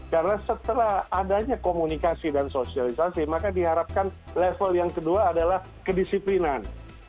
karena setelah adanya komunikasi dan sosialisasi maka diharapkan level yang kedua adalah kedisiplinan